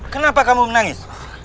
kenapa kamu menangis